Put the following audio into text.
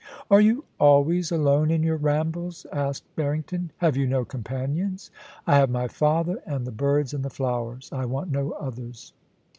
* Are you always alone in your rambles?' asked Barrington. * Have you no companions ?'* I have my father and the birds and the flowers. I want no others.'